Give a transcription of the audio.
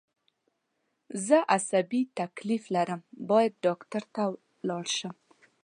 زه عصابي تکلیف لرم باید ډاکټر ته لاړ شم